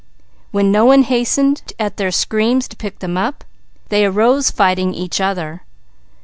When no one hastened at their screams to pick them up, they arose fighting each other.